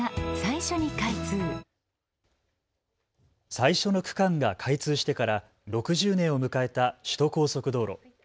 最初の区間が開通してから６０年を迎えた首都高速道路。